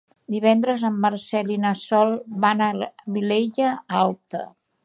Divendres en Marcel i na Sol van a la Vilella Alta.